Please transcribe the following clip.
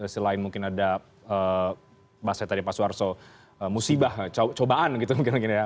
selain mungkin ada bahasa tadi pak suharto musibah cobaan gitu mungkin ya